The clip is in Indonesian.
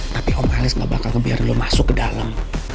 tapi om alex gak bakal kebiar lo masuk ke dalam